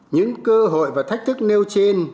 những cơ hội và thách thức nêu trên